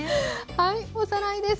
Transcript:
はいおさらいです。